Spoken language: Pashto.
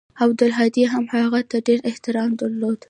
عبدالهادي هم هغه ته ډېر احترام درلود.